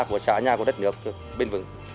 của xã nhà của đất nước bình vững